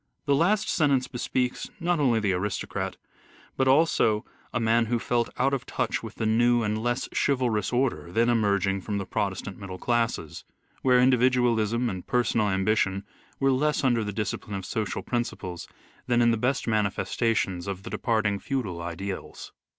The last sentence bespeaks not only the aristocrat but also a man who felt out of touch with the new and less chivalrous order then emerging from the protestant middle classes, where individualism and personal ambition were less under the discipline of social prin ciples than in the best manifestations of the departing feudal ideals.